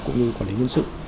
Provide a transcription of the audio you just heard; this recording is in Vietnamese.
cũng như quản lý nhân sự